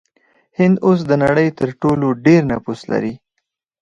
هند اوس د نړۍ تر ټولو ډیر نفوس لري.